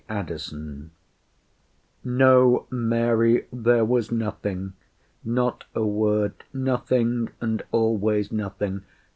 Lazarus "No, Mary, there was nothing not a word. Nothing, and always nothing.